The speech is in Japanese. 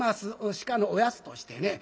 鹿のおやつとしてね。